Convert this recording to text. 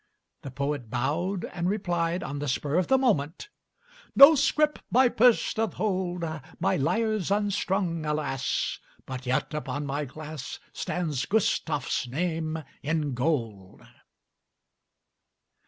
The poet bowed and replied on the spur of the moment: "No scrip my purse doth hold; My lyre's unstrung, alas! But yet upon my glass Stands Gustaf's name in gold."